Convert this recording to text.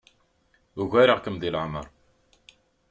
Ugareɣ-kem deg leɛmeṛ.